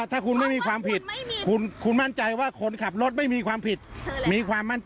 แต่คุณไม่มีสิทธิ์